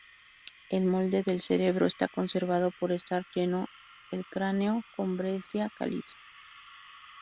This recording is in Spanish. El molde del cerebro está conservado por estar lleno el cráneo con breccia caliza.